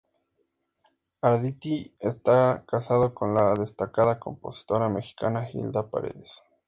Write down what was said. Arditti está casado con la destacada compositora mexicana Hilda Paredes.